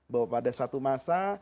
bahwa pada satu masa